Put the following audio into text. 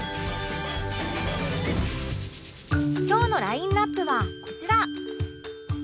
今日のラインアップはこちら